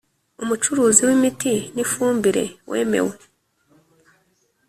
Umucuruzi w imiti n ifumbire wemewe